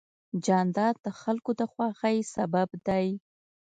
جانداد د خلکو د خوښۍ سبب دی.